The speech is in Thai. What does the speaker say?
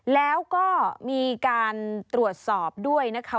แล้วก็มีการตรวจสอบด้วยนะคะ